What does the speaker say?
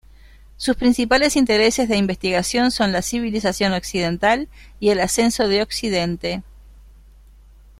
Sus principales intereses de investigación son la civilización occidental y el ascenso de Occidente.